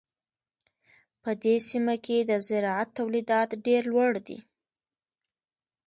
په دې سیمه کې د زراعت تولیدات ډېر لوړ دي.